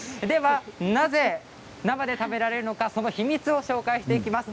なぜ生で食べられるのか秘密を紹介していきます。